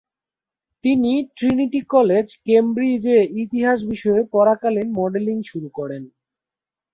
তিনি Trinity College, কেমব্রিজ-এ ইতিহাস বিষয়ে পড়াকালীন মডেলিং শুরু করেন।